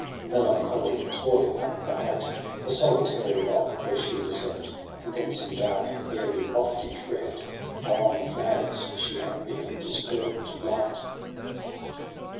The melancholy toiling up the height. The solitary rock where she was left ; And thence in dark and airy waftage reft. How on the flowers she had been disburden'd light.